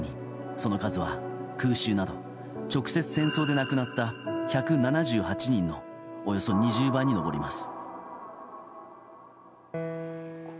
その数は、空襲など直接戦争で亡くなった１７８人のおよそ２０倍に上ります。